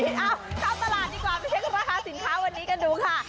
เอ้าเข้้าตลาดดีกว่าไปเช็คราคาสินค้าค่ะ